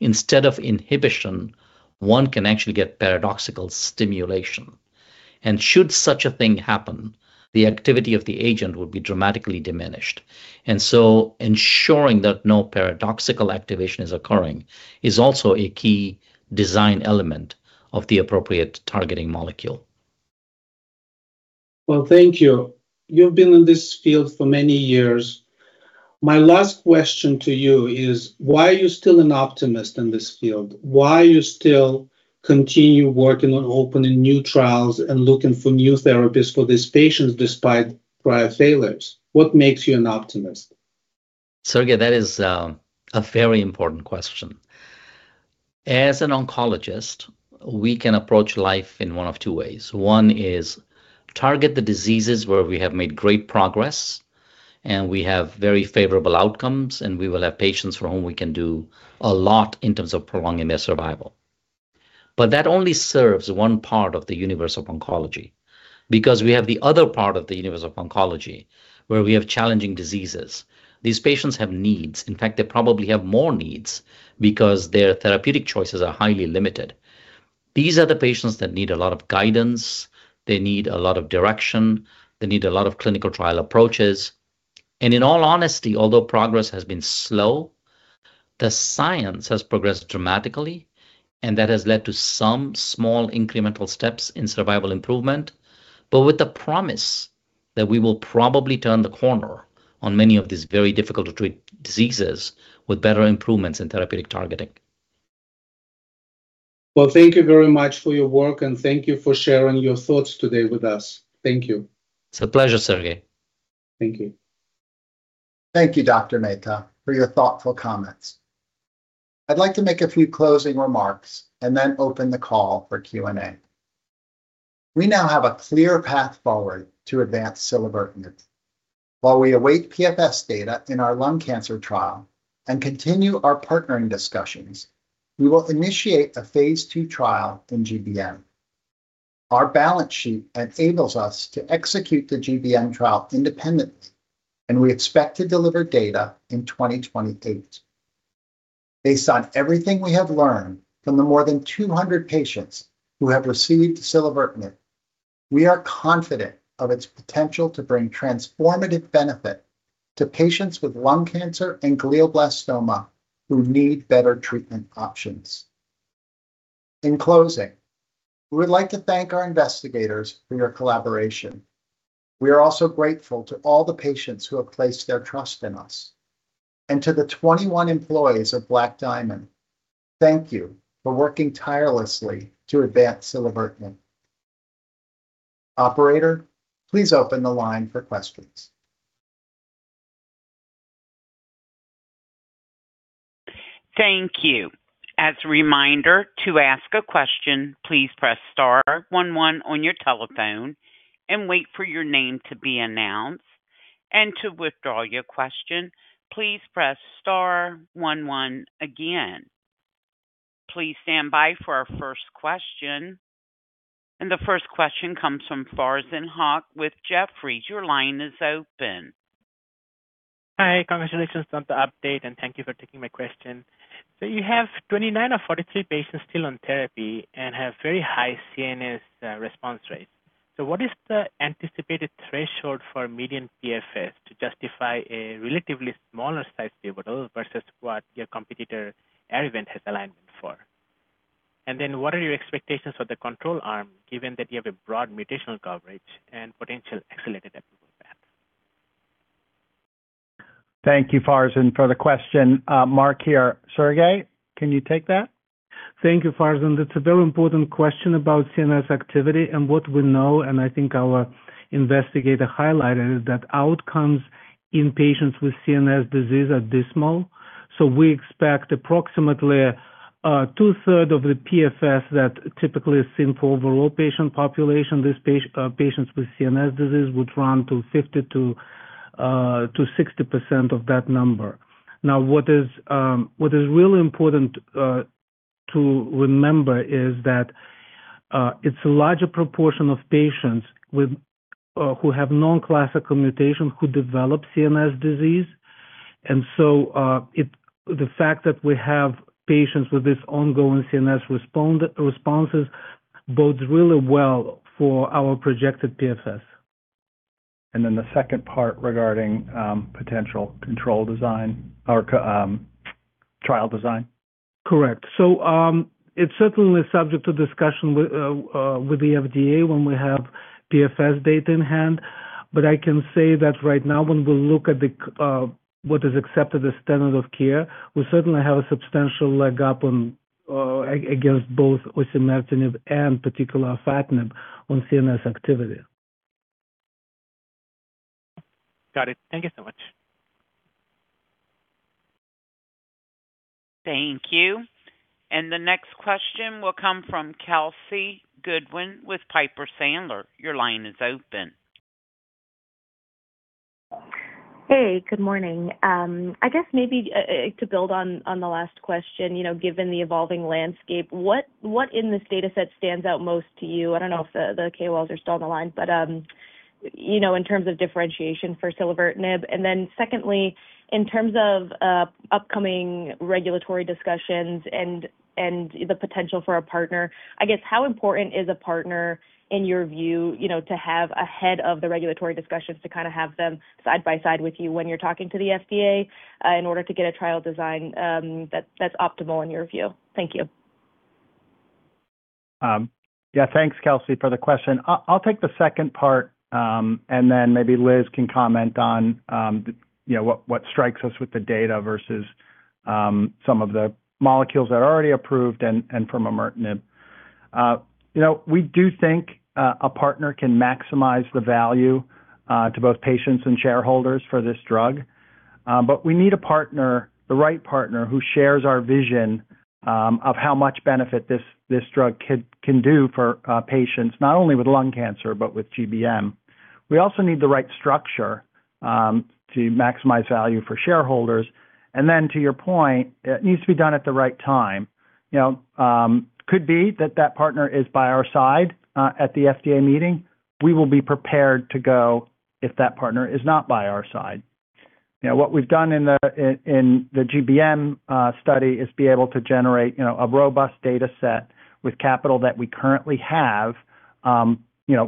instead of inhibition, one can actually get paradoxical stimulation. And should such a thing happen, the activity of the agent would be dramatically diminished. And so ensuring that no paradoxical activation is occurring is also a key design element of the appropriate targeting molecule. Well, thank you. You've been in this field for many years. My last question to you is, why are you still an optimist in this field? Why do you still continue working on opening new trials and looking for new therapies for these patients despite prior failures? What makes you an optimist? Sergey, that is a very important question. As an oncologist, we can approach life in one of two ways. One is target the diseases where we have made great progress and we have very favorable outcomes, and we will have patients for whom we can do a lot in terms of prolonging their survival. But that only serves one part of the universe of oncology because we have the other part of the universe of oncology where we have challenging diseases. These patients have needs. In fact, they probably have more needs because their therapeutic choices are highly limited. These are the patients that need a lot of guidance, they need a lot of direction, they need a lot of clinical trial approaches. In all honesty, although progress has been slow, the science has progressed dramatically, and that has led to some small incremental steps in survival improvement, but with the promise that we will probably turn the corner on many of these very difficult-to-treat diseases with better improvements in therapeutic targeting. Thank you very much for your work, and thank you for sharing your thoughts today with us. Thank you. It's a pleasure, Sergey. Thank you. Thank you, Dr. Mehta, for your thoughtful comments. I'd like to make a few closing remarks and then open the call for Q&A. We now have a clear path forward to advance silevertinib. While we await PFS data in our lung cancer trial and continue our partnering discussions, we will initiate a phase II trial in GBM. Our balance sheet enables us to execute the GBM trial independently, and we expect to deliver data in 2028. Based on everything we have learned from the more than 200 patients who have received silevertinib, we are confident of its potential to bring transformative benefit to patients with lung cancer and glioblastoma who need better treatment options. In closing, we would like to thank our investigators for your collaboration. We are also grateful to all the patients who have placed their trust in us. And to the 21 employees of Black Diamond, thank you for working tirelessly to advance silevertinib. Operator, please open the line for questions. Thank you. As a reminder, to ask a question, please press star one one on your telephone and wait for your name to be announced. And to withdraw your question, please press star one one again. Please stand by for our first question. The first question comes from Farzin Haque with Jefferies. Your line is open. Hi, congratulations on the update, and thank you for taking my question. You have 29 patients of 43 patients still on therapy and have very high CNS response rates. What is the anticipated threshold for median PFS to justify a relatively smaller size pivotal versus what your competitor ArriVent has alignment for? And then what are your expectations for the control arm given that you have a broad mutational coverage and potential accelerated approval path? Thank you, Farzin, for the question. Mark here. Sergey, can you take that? Thank you, Farzin. That's a very important question about CNS activity and what we know, and I think our investigator highlighted that outcomes in patients with CNS disease are dismal. So we expect approximately 2/3 of the PFS that typically is seen for overall patient population. These patients with CNS disease would run to 50%-60% of that number. Now, what is really important to remember is that it's a larger proportion of patients who have non-classical mutations who develop CNS disease. And so the fact that we have patients with these ongoing CNS responses bodes really well for our projected PFS. And then the second part regarding potential control design or trial design? Correct. So it's certainly subject to discussion with the FDA when we have PFS data in hand, but I can say that right now when we look at what is accepted as standard of care, we certainly have a substantial leg up against both osimertinib and particular afatinib on CNS activity. Got it. Thank you so much. Thank you. And the next question will come from Kelsey Goodwin with Piper Sandler. Your line is open. Hey, good morning. I guess maybe to build on the last question, given the evolving landscape, what in this dataset stands out most to you? I don't know if the KOLs are still on the line, but in terms of differentiation for silevertinib. And then secondly, in terms of upcoming regulatory discussions and the potential for a partner, I guess how important is a partner in your view to have ahead of the regulatory discussions to kind of have them side by side with you when you're talking to the FDA in order to get a trial design that's optimal in your view? Thank you. Yeah, thanks, Kelsey, for the question. I'll take the second part, and then maybe Liz can comment on what strikes us with the data versus some of the molecules that are already approved and from osimertinib. We do think a partner can maximize the value to both patients and shareholders for this drug, but we need a partner, the right partner who shares our vision of how much benefit this drug can do for patients not only with lung cancer, but with GBM. We also need the right structure to maximize value for shareholders, and then to your point, it needs to be done at the right time. It could be that that partner is by our side at the FDA meeting. We will be prepared to go if that partner is not by our side. What we've done in the GBM study is be able to generate a robust dataset with capital that we currently have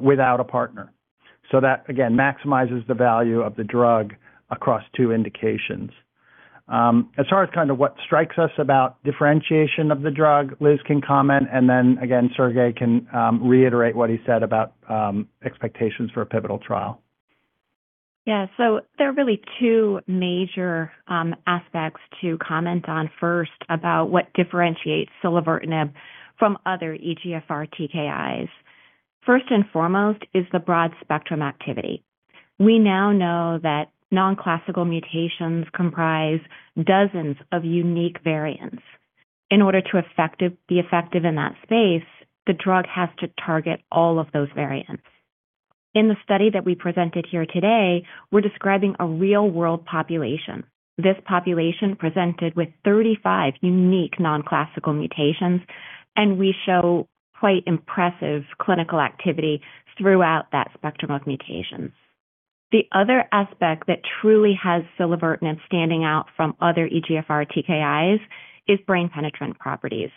without a partner. So that, again, maximizes the value of the drug across two indications. As far as kind of what strikes us about differentiation of the drug, Liz can comment, and then again, Sergey can reiterate what he said about expectations for a pivotal trial. Yeah. So there are really two major aspects to comment on first about what differentiates silevertinib from other EGFR TKIs. First and foremost is the broad spectrum activity. We now know that non-classical mutations comprise dozens of unique variants. In order to be effective in that space, the drug has to target all of those variants. In the study that we presented here today, we're describing a real-world population. This population presented with 35 unique non-classical mutations, and we show quite impressive clinical activity throughout that spectrum of mutations. The other aspect that truly has silevertinib standing out from other EGFR TKIs is brain penetrant properties.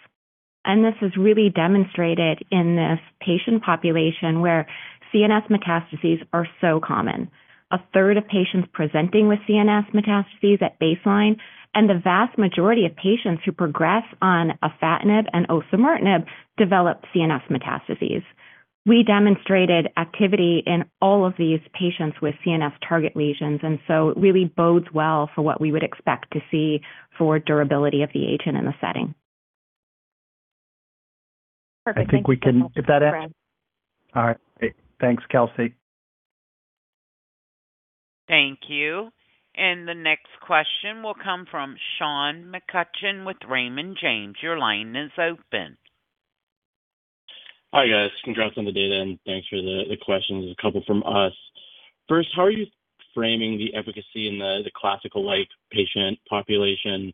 And this is really demonstrated in this patient population where CNS metastases are so common. A third of patients presenting with CNS metastases at baseline, and the vast majority of patients who progress on afatinib and osimertinib develop CNS metastases. We demonstrated activity in all of these patients with CNS target lesions, and so it really bodes well for what we would expect to see for durability of the agent in the setting. Perfect. Thank you. I think we can get that answer. All right. Thanks, Kelsey. Thank you. And the next question will come from Sean McCutcheon with Raymond James. Your line is open. Hi, guys. Contrasting the data, and thanks for the questions. There's a couple from us. First, how are you framing the efficacy in the classical-like patient population,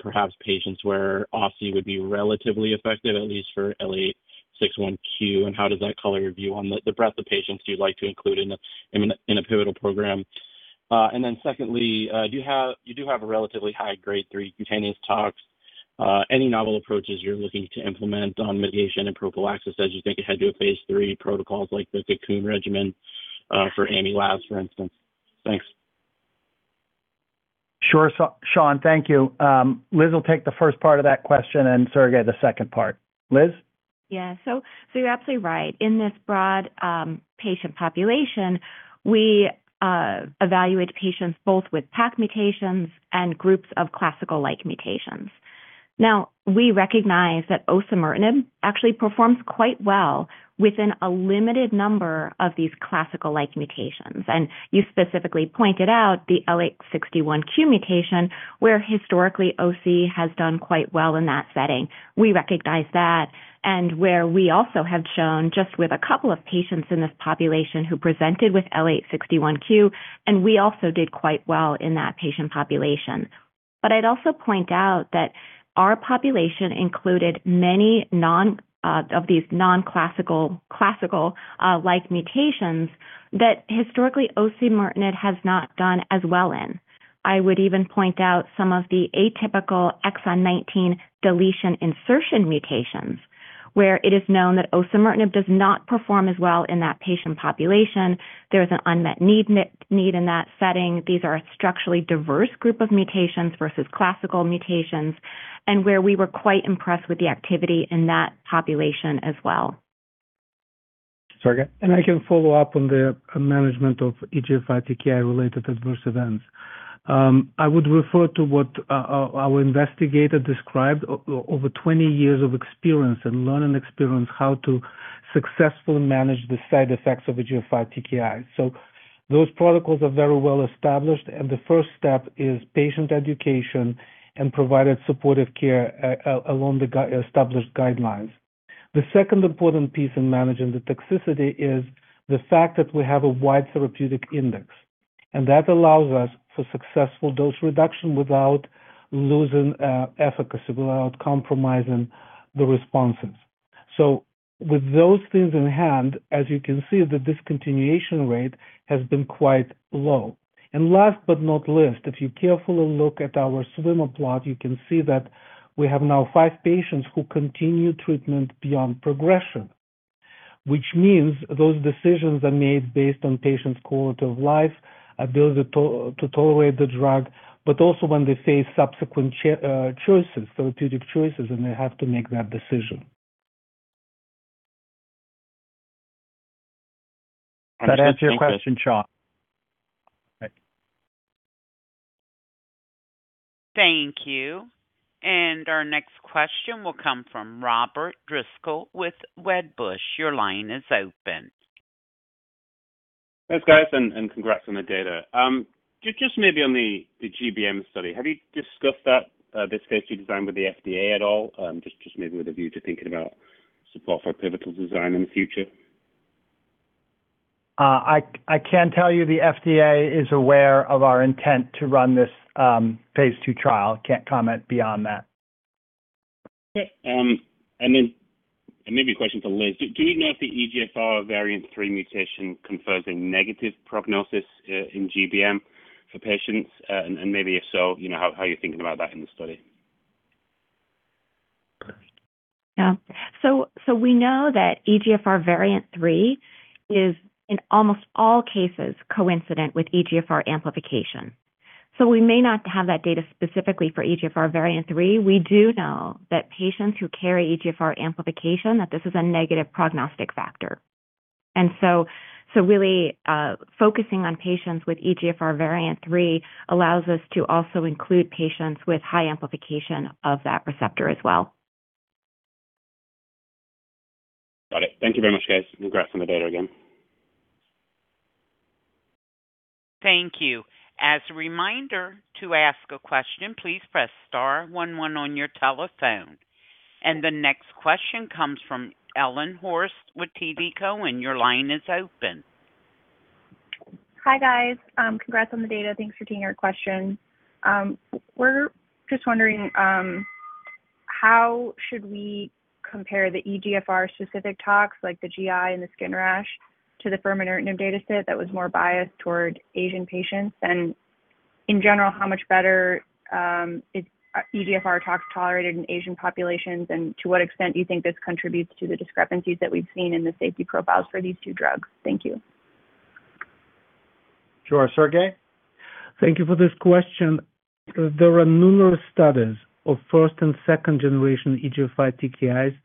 perhaps patients where OSI would be relatively effective, at least for L861Q, and how does that color your view on the breadth of patients you'd like to include in a pivotal program? And then secondly, you do have a relatively high grade three cutaneous tox. Any novel approaches you're looking to implement on mitigation and prophylaxis as you think ahead to a phase III protocol like the COCOON regimen for ami Labs, for instance? Thanks. Sure, Sean. Thank you. Liz will take the first part of that question, and Sergey the second part. Liz? Yeah. So you're absolutely right. In this broad patient population, we evaluate patients both with PACC mutations and groups of classical-like mutations. Now, we recognize that osimertinib actually performs quite well within a limited number of these classical-like mutations, and you specifically pointed out the L861Q mutation where historically OSI has done quite well in that setting. We recognize that, and where we also have shown just with a couple of patients in this population who presented with L861Q, and we also did quite well in that patient population, but I'd also point out that our population included many of these non-classical-like mutations that historically osimertinib has not done as well in. I would even point out some of the atypical exon 19 deletion insertion mutations where it is known that osimertinib does not perform as well in that patient population. There is an unmet need in that setting. These are a structurally diverse group of mutations versus classical mutations, and where we were quite impressed with the activity in that population as well. Sorry. And I can follow up on the management of EGFR TKI-related adverse events. I would refer to what our investigator described, over 20 years of experience and learning experience how to successfully manage the side effects of EGFR TKI. So those protocols are very well established, and the first step is patient education and provided supportive care along the established guidelines. The second important piece in managing the toxicity is the fact that we have a wide therapeutic index, and that allows us for successful dose reduction without losing efficacy, without compromising the responses. So with those things in hand, as you can see, the discontinuation rate has been quite low. Last but not least, if you carefully look at our swimmer plot, you can see that we have now five patients who continue treatment beyond progression, which means those decisions are made based on patients' quality of life, ability to tolerate the drug, but also when they face subsequent therapeutic choices, and they have to make that decision. That answers your question, Sean? Thank you. Our next question will come from Robert Driscoll with Wedbush. Your line is open. Thanks, guys, and congrats on the data. Just maybe on the GBM study, have you discussed this phase II design with the FDA at all, just maybe with a view to thinking about support for pivotal design in the future? I can tell you the FDA is aware of our intent to run this phase II trial. Can't comment beyond that. Okay. Then maybe a question for Liz. Do we know if the EGFR variant 3 mutation confers a negative prognosis in GBM for patients? And maybe if so, how are you thinking about that in the study? Yeah. So we know that EGFR variant 3 is in almost all cases coincident with EGFR amplification. So we may not have that data specifically for EGFR variant 3. We do know that patients who carry EGFR amplification, that this is a negative prognostic factor. And so really focusing on patients with EGFR variant 3 allows us to also include patients with high amplification of that receptor as well. Got it. Thank you very much, guys. Congrats on the data again. Thank you. As a reminder, to ask a question, please press star one one on your telephone. And the next question comes from Ellen Horste with TD Cowen, and your line is open. Hi, guys. Congrats on the data. Thanks for taking our question. We're just wondering how should we compare the EGFR-specific tox like the GI and the skin rash to the first afatinib dataset that was more biased toward Asian patients? And in general, how much better is EGFR tox tolerated in Asian populations, and to what extent do you think this contributes to the discrepancies that we've seen in the safety profiles for these two drugs? Thank you. Sure. Sergey? Thank you for this question. There are numerous studies of first and second-generation EGFR TKIs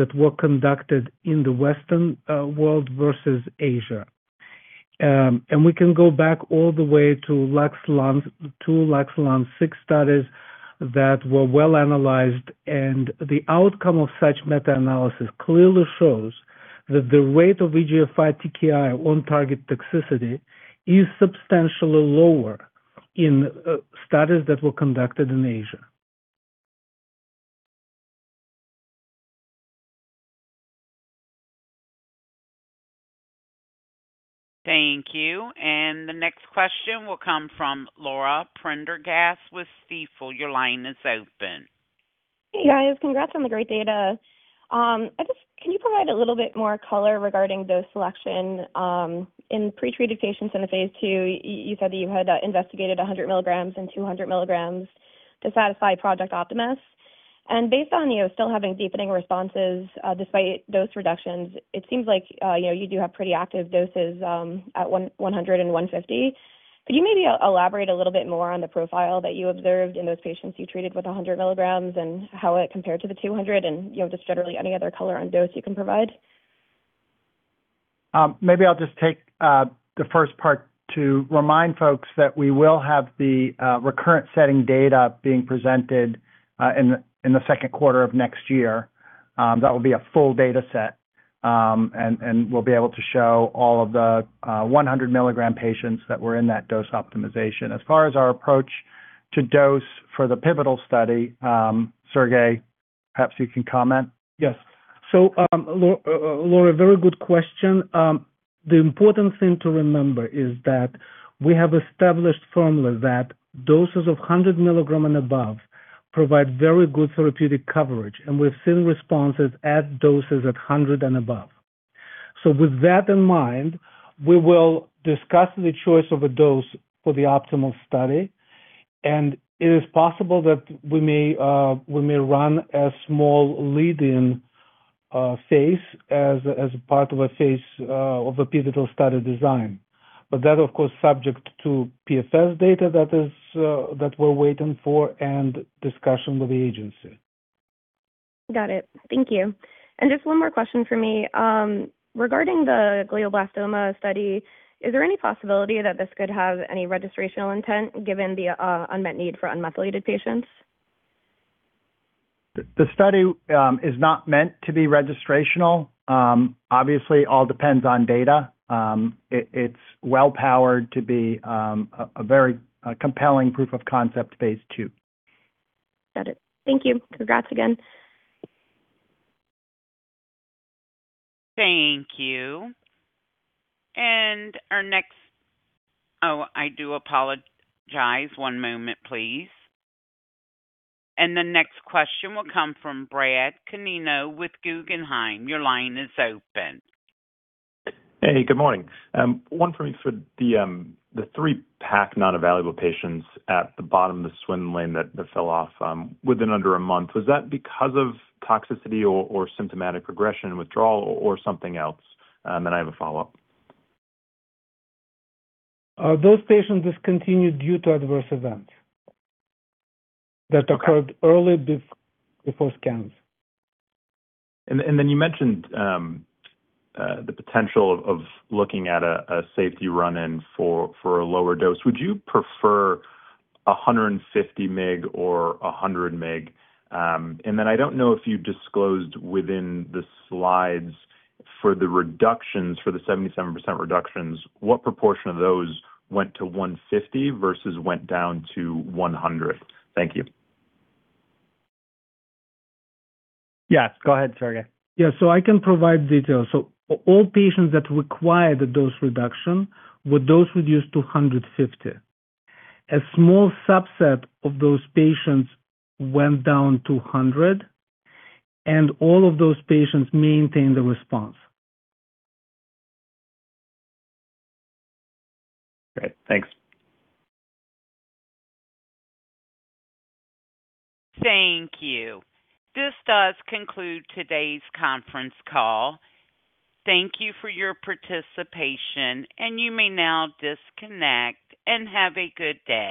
that were conducted in the Western world versus Asia. And we can go back all the way to two LUX-Lung 6 studies that were well analyzed, and the outcome of such meta-analysis clearly shows that the rate of EGFR TKI on target toxicity is substantially lower in studies that were conducted in Asia. Thank you. And the next question will come from Laura Prendergast with Stifel. Your line is open. Hey, guys. Congrats on the great data. Can you provide a little bit more color regarding dose selection? In pretreated patients in the phase II, you said that you had investigated 100 milligrams and 200 milligrams to satisfy a. And based on still having deepening responses despite dose reductions, it seems like you do have pretty active doses at 100 milligrams and 150 milligrams. Could you maybe elaborate a little bit more on the profile that you observed in those patients you treated with 100 milligrams and how it compared to the 200 milligrams, and just generally any other color on dose you can provide? Maybe I'll just take the first part to remind folks that we will have the recurrent setting data being presented in the second quarter of next year. That will be a full dataset, and we'll be able to show all of the 100-milligram patients that were in that dose optimization. As far as our approach to dose for the pivotal study, Sergey, perhaps you can comment. Yes. So, Laura, very good question. The important thing to remember is that we have established firmly that doses of 100 milligram and above provide very good therapeutic coverage, and we've seen responses at doses at 100 milligrams and above. So with that in mind, we will discuss the choice of a dose for the pivotal study, and it is possible that we may run a small lead-in phase as part of a phase of a pivotal study design. But that, of course, is subject to PFS data that we're waiting for and discussion with the agency. Got it. Thank you. And just one more question for me. Regarding the glioblastoma study, is there any possibility that this could have any registrational intent given the unmet need for unmethylated patients? The study is not meant to be registrational. Obviously, it all depends on data. It's well-powered to be a very compelling proof of concept phase II. Got it. Thank you. Congrats again. Thank you. Our next. Oh, I do apologize. One moment, please. The next question will come from Brad Canino with Guggenheim. Your line is open. Hey, good morning. One for me for the three PACC non-evaluable patients at the bottom of the swim lane that fell off within under a month. Was that because of toxicity or symptomatic progression withdrawal or something else? I have a follow-up. Those patients discontinued due to adverse events that occurred early before scans. And then you mentioned the potential of looking at a safety run-in for a lower dose. Would you prefer 150 mg or 100 mg? And then I don't know if you disclosed within the slides for the reductions, for the 77% reductions, what proportion of those went to 150 milligrams versus went down to 100 milligrams? Thank you. Yes. Go ahead, Sergey. Yeah. So I can provide details. So all patients that required a dose reduction were dose-reduced to 150 milligrams. A small subset of those patients went down to 100 milligrams, and all of those patients maintained the response. Great. Thanks. Thank you. This does conclude today's conference call. Thank you for your participation, and you may now disconnect and have a good day.